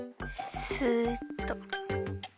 スッと。